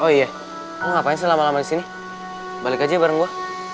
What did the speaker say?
oh iya lo ngapain selama lama disini balik aja bareng gue